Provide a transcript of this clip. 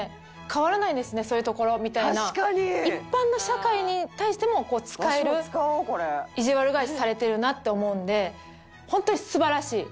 「変わらないですねそういうところ」みたいな一般の社会に対しても使えるいじわる返しされてるなって思うんで本当に素晴らしい。